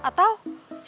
si enonte masih belajar